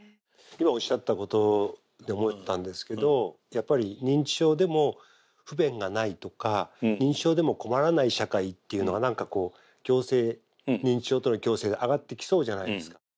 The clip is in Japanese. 今おっしゃったことで思ったんですけどやっぱり認知症でも不便がないとか認知症でも困らない社会っていうのが何かこう認知症との共生で挙がってきそうじゃないですか。